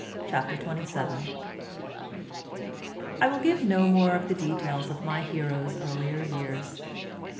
CHAPTER XXVII I will give no more of the details of my hero's earlier years.